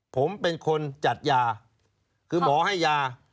ผมเป็นคนจัดยาคือหมอให้ยา